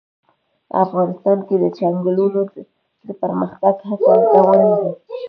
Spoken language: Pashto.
افغانستان کې د چنګلونه د پرمختګ هڅې روانې دي.